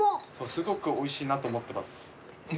すごくおいしいなと思ってます。